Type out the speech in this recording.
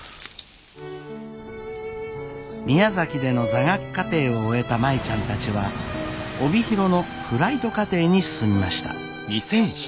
宮崎での座学課程を終えた舞ちゃんたちは帯広のフライト課程に進みました。